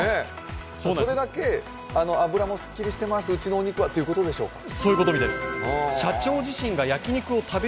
それだけ脂もすっきりしてます、うちのお肉はということでしょうか。